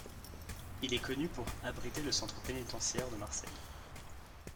Il est connu pour abriter le Centre pénitentiaire de Marseille.